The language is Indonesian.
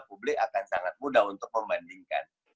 publik akan sangat mudah untuk membandingkan